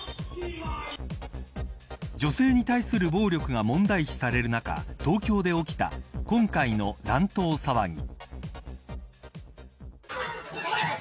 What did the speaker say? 女性に対する暴力が問題視される中、東京で起きた今回の乱闘騒ぎ。